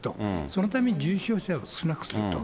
そのために重症者を少なくすると。